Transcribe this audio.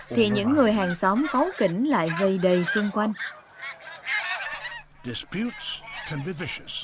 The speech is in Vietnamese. thì những người hàng xóm cấu kỉnh lại gây đầy xung quanh